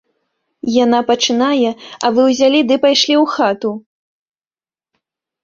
Яна пачынае, а вы ўзялі ды пайшлі ў хату!